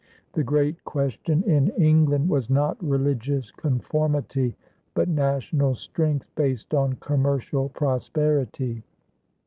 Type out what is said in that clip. The great question in England was not religious conformity but national strength based on commercial prosperity.